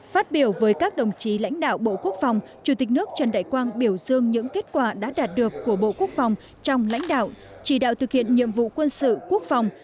phát biểu với các đồng chí lãnh đạo bộ quốc phòng chủ tịch nước trần đại quang biểu dương những kết quả đã đạt được của bộ quốc phòng trong lãnh đạo chỉ đạo thực hiện nhiệm vụ quân sự quốc phòng